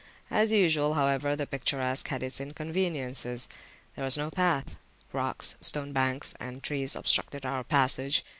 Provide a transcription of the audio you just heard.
As usual, however, the picturesque had its inconveniences. There was no path. Rocks, stone banks, and trees obstructed our passage.